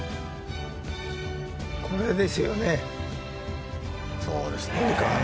これですよね。